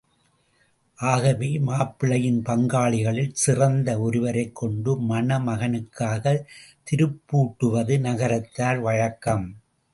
ஆகவே மாப்பிள்ளையின் பங்காளிகளில் சிறந்த ஒருவரைக் கொண்டு மணமகனுக்காகத் திருப்பூட்டுவது நகரத்தார் வழக்கம்.